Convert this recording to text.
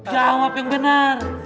jawab yang benar